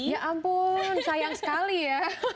ya ampun sayang sekali ya